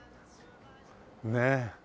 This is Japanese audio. ねえ。